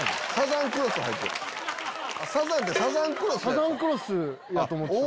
サザンクロスやと思ってたから。